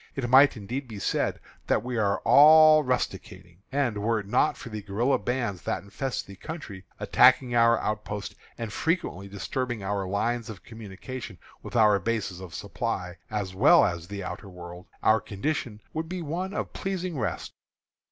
It might indeed be said that we are all rusticating; and, were it not for the guerilla bands that infest the country, attacking our outposts, and frequently disturbing our lines of communication with our bases of supply as well as the outer world, our condition would be one of pleasing rest.